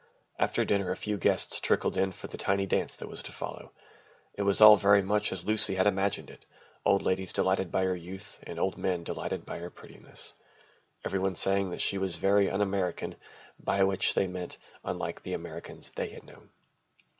After dinner a few guests trickled in for the tiny dance that was to follow. It was all very much as Lucy had imagined it, old ladies delighted by her youth, old men delighted by her prettiness. Every one saying that she was very un American (by which they meant unlike the Americans they had known).